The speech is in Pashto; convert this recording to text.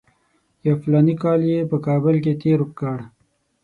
یو فلاني کال یې په کابل کې تېر کړ.